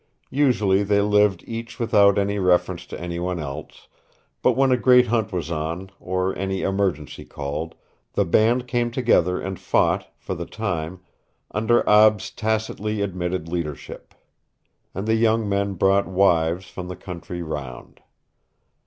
Usually they lived each without any reference to anyone else, but when a great hunt was on, or any emergency called, the band came together and fought, for the time, under Ab's tacitly admitted leadership. And the young men brought wives from the country round.